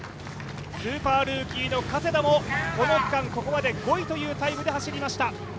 スーパールーキーの加世田もこの区間ここまで５位というタイムで走りました。